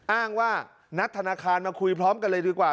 อ้างว่านัดธนาคารมาคุยพร้อมกันเลยดีกว่า